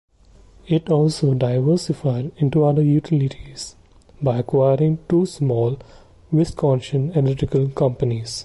It also diversified into other utilities by acquiring two small Wisconsin electrical companies.